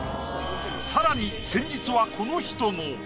さらに先日はこの人も！